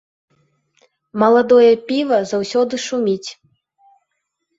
Маладое піва заўсёды шуміць.